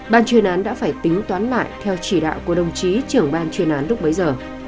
ban chuyên án đã phải tính toán lại theo chỉ đạo của đồng chí trưởng ban chuyên án lúc bấy giờ